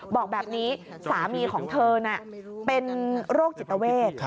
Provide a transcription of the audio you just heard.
บอกแบบนี้สามีของเธอน่ะเป็นโรคจิตเวท